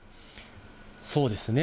そうですね。